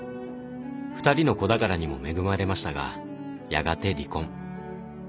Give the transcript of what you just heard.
２人の子宝にも恵まれましたがやがて離婚。